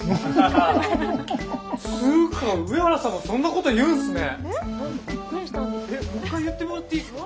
つうか上原さんがそんなこと言うんすね。